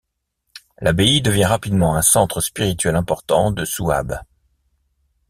L'abbaye devient rapidement un centre spirituel important de Souabe.